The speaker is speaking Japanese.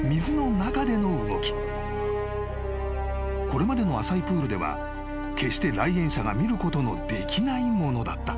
［これまでの浅いプールでは決して来園者が見ることのできないものだった］